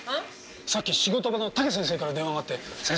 さっき仕事場の武先生から電話があって先生